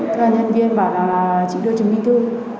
thưa nhân viên bảo là chỉ đưa chứng minh thư